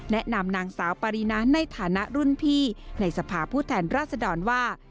นางสาวปารีนาในฐานะรุ่นพี่ในสภาพผู้แทนราชดรว่า